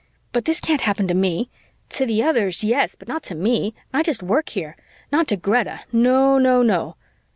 But this can't happen to me. To the others, yes, but not to me. I just work here. Not to Greta, no, no, no!"